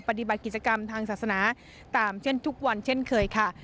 ปฏิบัติกิจกรรมทางศาสนาตามเช่นทุกวันเช่นเคยค่ะ